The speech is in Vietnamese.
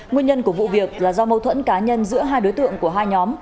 nguyên nhân của vụ việc là do mâu thuẫn cá nhân giữa hai đối tượng của hai nhóm